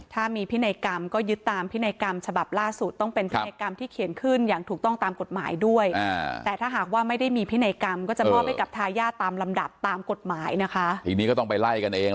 ต้องดูค่ะใช่ค่ะ